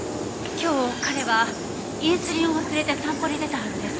今日彼はインスリンを忘れて散歩に出たはずです。